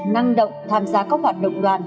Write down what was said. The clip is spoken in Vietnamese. năng động tham gia các hoạt động đoàn